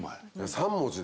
３文字で？